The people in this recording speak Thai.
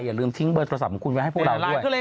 อย่าลืมทิ้งเบอร์โทรศัพท์ของคุณไว้ให้พวกเราด้วย